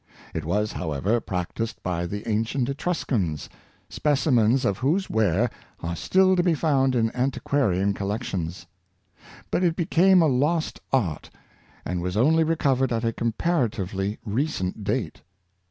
It was, however, practiced by the an cient Etruscans, specimens of whose ware are still to be found in antiquarian collections. But it became a lost art, and was only recovered at a comparatively recent date.